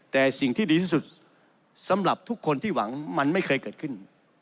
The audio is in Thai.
แต่สิ่งที่ดีที่สุดสำหรับทุกคนที่หวังมันไม่เคยเกิดขึ้น